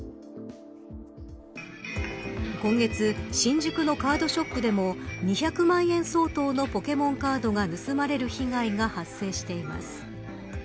今月、新宿のカードショップでも２００万円相当のポケモンカードが盗まれる被害が発生しています。